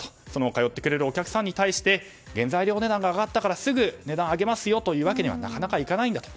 通ってくれるお客さんに対して原材料値段が上がったからといってすぐ値段を上げますよというわけにはなかなかいかないんだと。